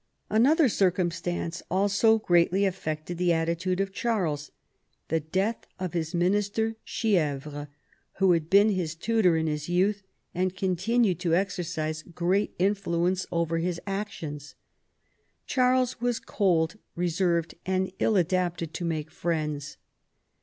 Another circumstance also greatly affected the atti tude of Charles, the death of his minister Chi^vres, who had been his tutor in his youth, and continued to exercise great influence over his actions. Charles was cold, reserved, and ill adapted to make friends.